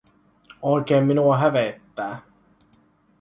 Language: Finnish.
Oikein minua hävettää.